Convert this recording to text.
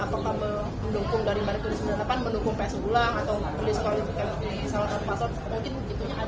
apakah mendukung dari barikada sembilan puluh delapan mendukung psu ulang atau mendiskualifikasi salah satu password